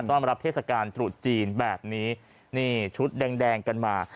ต้อนรับเทศกาลตรุษจีนแบบนี้นี่ชุดแดงแดงกันมา